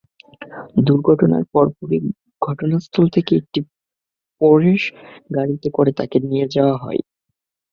দুর্ঘটনার পরপরই দুর্ঘটনাস্থল থেকে একটি পোরশে গাড়িতে করে তাঁকে নিয়ে যাওয়া হয়।